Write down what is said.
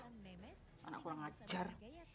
anak kurang ajar